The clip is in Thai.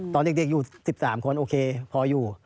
ตอนเด็กอยู่๑๓คนโอเคพออยู่